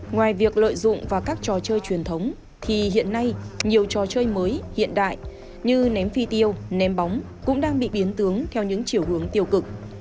ngoài việc lợi dụng vào các trò chơi truyền thống thì hiện nay nhiều trò chơi mới hiện đại như ném phi tiêu ném bóng cũng đang bị biến tướng theo những chiều hướng tiêu cực